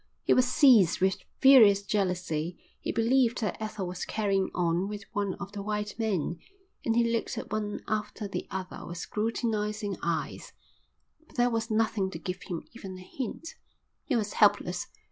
He was seized with furious jealousy. He believed that Ethel was carrying on with one of the white men, and he looked at one after the other with scrutinising eyes; but there was nothing to give him even a hint. He was helpless.